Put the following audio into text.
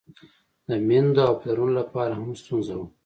د میندو او پلرونو له پاره هم ستونزه وه.